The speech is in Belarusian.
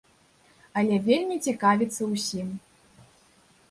Але вельмі цікавіцца ўсім.